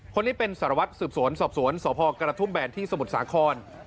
คนนี้เป็นสารวัตรสืบสวนสอบสวนสพกระทุ่มแบนที่สมุทรสาคร